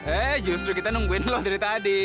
eh justru kita nungguin loh dari tadi